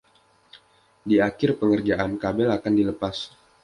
Di akhir pengerjaan, kabel akan dilepas.